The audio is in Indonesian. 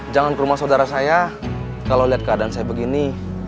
jangan ke rumah saudara saya kalau lihat keadaan saya begini